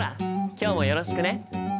今日もよろしくね。